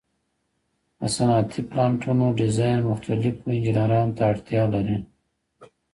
د صنعتي پلانټونو ډیزاین مختلفو انجینرانو ته اړتیا لري.